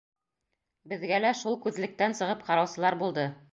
Беҙгә лә шул күҙлектән сығып ҡараусылар булды.